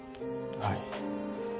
はい。